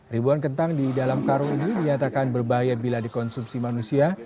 ribuan kentang di dalam karung ini dinyatakan berbahaya bila dikonsumsi manusia